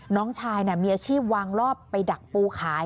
น้องชายมีอาชีพวางรอบไปดักปูขาย